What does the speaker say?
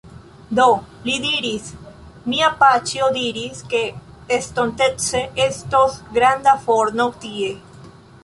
Do, li diris... mia paĉjo diris, ke estontece estos granda forno tie